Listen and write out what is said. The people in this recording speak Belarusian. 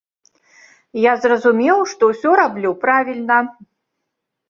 Я зразумеў, што ўсё раблю правільна.